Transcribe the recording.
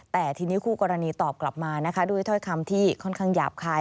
แต่ทีนี้คู่กรณีตอบกลับมานะคะด้วยถ้อยคำที่ค่อนข้างหยาบคาย